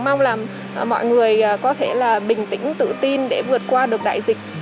mong là mọi người có thể là bình tĩnh tự tin để vượt qua được đại dịch